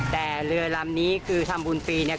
แต่เรือลำนี้ก็คือทำวุญปี